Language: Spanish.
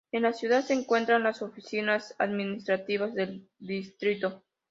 En la ciudad se encuentran las oficinas administrativas del Distrito.